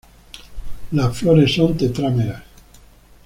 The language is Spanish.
Las flores son tetrámeras.